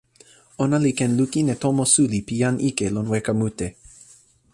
ona li ken lukin e tomo suli pi jan ike lon weka mute.